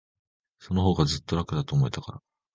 そのほうが、ずっと楽だと思えたから。